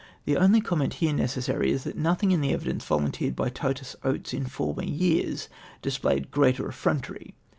The only comment here necessary is, that nothing in tlie evidence vohniteered by Titus Gates in former years displayed greater effrontery.